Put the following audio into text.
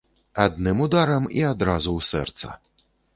Адным ударам, і адразу ў сэрца.